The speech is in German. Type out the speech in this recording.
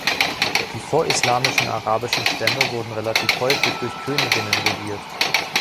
Die vorislamischen arabischen Stämme wurden relativ häufig durch Königinnen regiert.